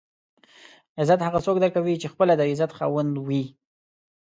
عزت هغه څوک درکوي چې خپله د عزت خاوند وي.